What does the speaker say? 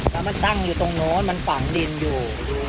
แต่มันตั้งอยู่ตรงโน้นมันฝังดินอยู่